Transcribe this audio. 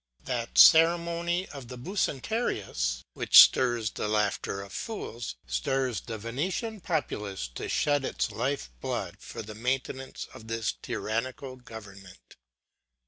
That ceremony of the Bucentaurius, which stirs the laughter of fools, stirs the Venetian populace to shed its life blood for the maintenance of this tyrannical government.